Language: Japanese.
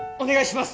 お願いします！